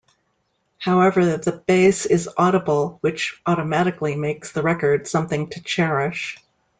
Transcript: However, the bass is audible, which automatically makes the record something to cherish.